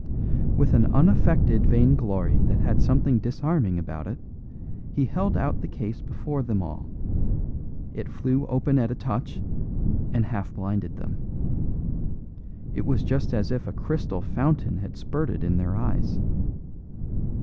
With an unaffected vain glory that had something disarming about it he held out the case before them all; it flew open at a touch and half blinded them. It was just as if a crystal fountain had spurted in their eyes.